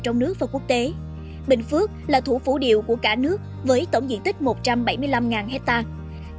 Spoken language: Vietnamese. trong thị trường trong nước và quốc tế bình phước là thủ phủ điều của cả nước với tổng diện tích một trăm bảy mươi năm hectare